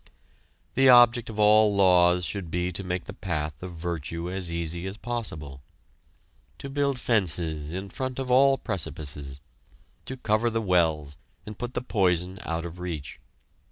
The object of all laws should be to make the path of virtue as easy as possible, to build fences in front of all precipices, to cover the wells and put the poison out of reach.